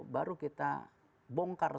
baru kita bongkar